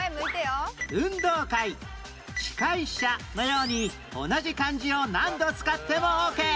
運動会司会者のように同じ漢字を何度使ってもオーケー